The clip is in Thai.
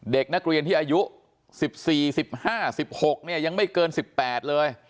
เด็กนักเรียนที่อายุ๑๔๑๕๑๖เนี่ยยังไม่เกิน๑๘เลย